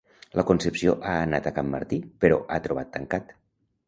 La Concepció ha anat a can Martí però ha trobat tancat